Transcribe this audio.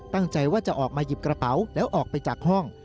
ตั้งใจว่าจะออกมาหยิบกระเป๋าแล้วออกไปจากห้อง